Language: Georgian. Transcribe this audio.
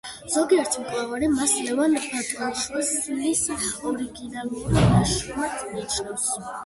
ზოგიერთი მკვლევარი მას ლევან ბატონიშვილის ორიგინალურ ნაშრომად მიიჩნევს.